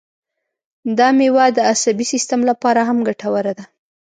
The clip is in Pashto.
دا مېوه د عصبي سیستم لپاره هم ګټوره ده.